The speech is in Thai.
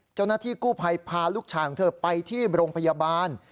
เจ้าหน้าที่กู้ภัยพาลูกชายของเธอไปที่โรงพยาบาล